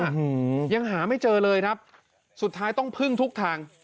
อืมยังหาไม่เจอเลยครับสุดท้ายต้องพึ่งทุกทาง